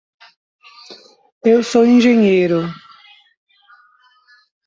Eu sou engenheiro.